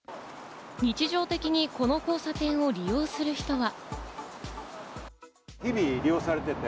日常的にこの交差点を利用する人は。